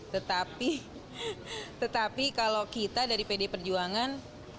tetapi tetapi kalau kita dari pd perjuangan